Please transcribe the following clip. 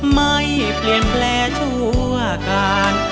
ไม่เปลี่ยนแปลงชั่วการ